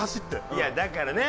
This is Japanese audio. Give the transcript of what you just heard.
いやだからね